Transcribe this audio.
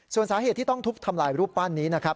ส่วนสาเหตุที่ต้องทุบทำลายรูปปั้นนี้นะครับ